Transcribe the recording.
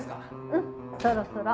・・うんそろそろ・・